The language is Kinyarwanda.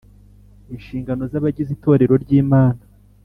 Inshingano z abagize itorero ryimana